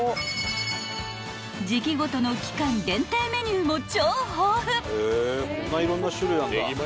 ［時期ごとの期間限定メニューも超豊富］